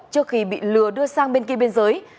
trước khi bị lừa đưa sang bên kia biên giới